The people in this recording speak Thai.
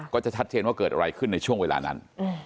ก็จะชัดเจนว่าเกิดอะไรขึ้นในช่วงเวลานั้น